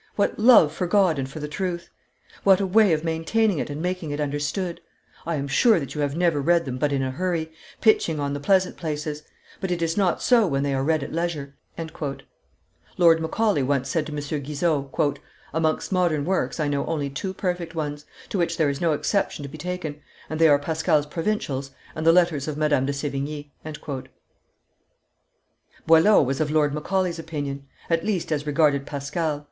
What love for God and for the truth! What a way of maintaining it and making it understood! I am sure that you have never read them but in a hurry, pitching on the pleasant places; but it is not so when they are read at leisure." Lord Macaulay once said to M. Guizot, "Amongst modern works I know only two perfect ones, to which there is no exception to be taken, and they are Pascal's Provincials and the Letters of Madame de Sevigne." [Illustration: Blaise Pascal 597] Boileau was of Lord Macaulay's opinion; at least as regarded Pascal.